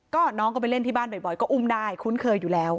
ก็น้องก็ไปเล่นที่บ้านบ่อยก็อุ้มได้คุ้นเคยอยู่แล้ว